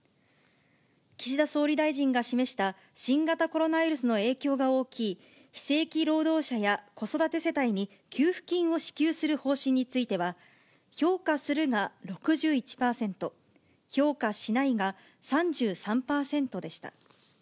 岸田総理大臣が示した新型コロナウイルスの影響が大きい非正規労働者や子育て世帯に給付金を支給する方針については、評価するが６１％、評価しないが３３％でした。